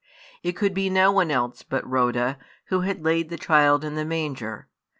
It could be no one else but Rhoda who had laid the child in the manger.